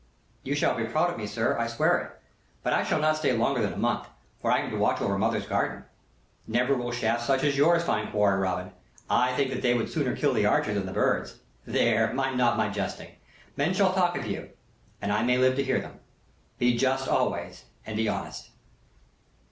"You shall be proud of me, sir; I swear it. But I will not stay longer than a month; for I am to watch over my mother's garden." "Never will shafts such as yours find quarry, Robin. I think that they would sooner kill the archer than the birds. There, mind not my jesting. Men shall talk of you; and I may live to hear them. Be just always; and be honest."